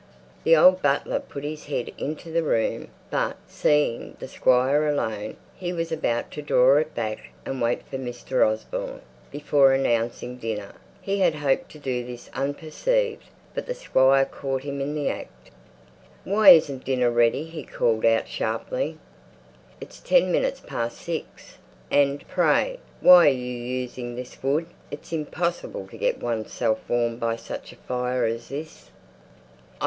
The old butler put his head into the room, but, seeing the squire alone, he was about to draw it back, and wait for Mr. Osborne, before announcing dinner. He had hoped to do this unperceived, but the squire caught him in the act. "Why isn't dinner ready?" he called out sharply. "It's ten minutes past six. And, pray, why are you using this wood? It's impossible to get oneself warm by such a fire as this."